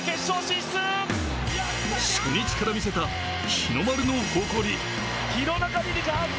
初日から見せた日の丸の誇り。